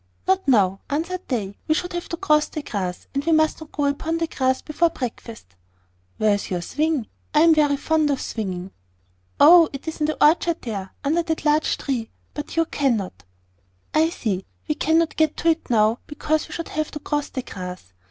"Not now," answered they; "we should have to cross the grass, and we must not go upon the grass before breakfast." "Where is your swing? I am very fond of swinging." "Oh! it is in the orchard there, under that large tree. But you cannot " "I see; we cannot get to it now, because we should have to cross the grass."